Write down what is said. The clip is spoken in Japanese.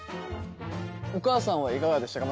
お母さんはいかがでしたか？